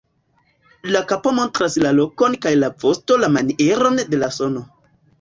La kapo montras la lokon kaj la vosto la manieron de la sono.